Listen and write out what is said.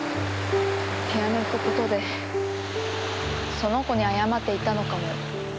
ピアノ弾くことでその子に謝っていたのかも。